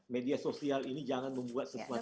media sosial ini jangan membuat sesuatu